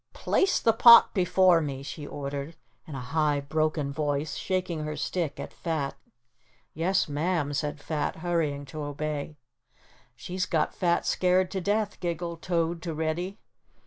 "Place the pot before me," she ordered, in a high, broken voice, shaking her stick at Fat. "Yes, Ma'am," said Fat, hurrying to obey. "She's got Fat scared to death," giggled Toad to Reddy.